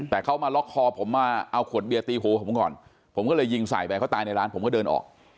แต่เขามาล็อกคอผมมาเอาขวดเบียร์ตีหัวผมก่อนผมก็เลยยิงใส่ไปเขาตายในร้านผมก็เดินออก